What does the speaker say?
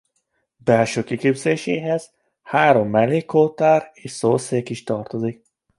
Belső kiképzéséhez három mellékoltár és szószék is tartozik.